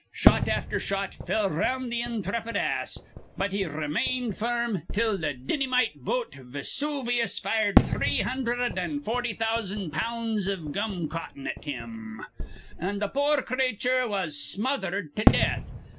Shot afther shot fell round th' inthrepid ass; but he remained firm till th' dinnymite boat Vesoovyus fired three hundherd an' forty thousand pounds iv gum cotton at him, an' the poor crather was smothered to death.